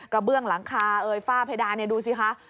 กระเบื้องหลังคาฝ้าเพดานี่ดูสิคะ